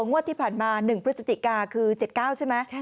งวดที่ผ่านมา๑พฤศจิกาคือ๗๙ใช่ไหม